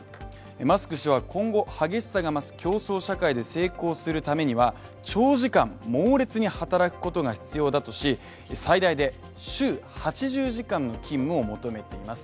マスク氏は、今後激しさが増す競争社会で成功するためには長時間、猛烈に働くことが必要だとし最大で週８０時間の勤務を求めています。